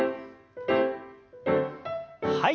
はい。